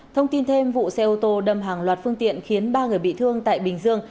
thông tin thêm vụ xe ô tô đâm hàng loạt phương tiện khiến ba người bị thương tại bình dương